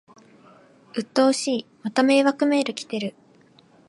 うっとうしい、また迷惑メール来てる